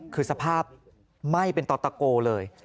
คือสภาพไหม้เป็นต่อตะโกเลย